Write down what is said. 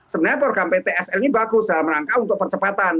sebenarnya program ptsl ini bagus dalam rangka untuk percepatan